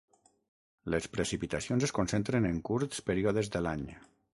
Les precipitacions es concentren en curts períodes de l'any.